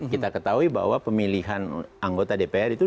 kita ketahui bahwa pemilihan anggota dpr itu